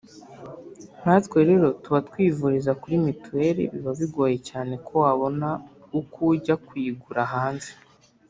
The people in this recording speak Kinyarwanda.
nkatwe rero tuba twivuriza kuri Mutuel biba bigoye cyane ko wabona uko ujya kuyigura hanze